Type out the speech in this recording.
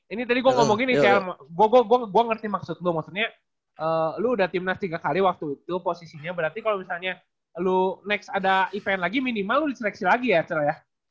ini tadi gue ngomongin nih saya gue ngerti maksudnya maksudnya lu udah tim nas tiga kali waktu itu posisinya berarti kalau misalnya lu next ada event lagi minimal lu diseleksi lagi ya cel ya